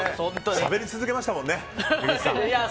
しゃべり続けましたもんね井口さん。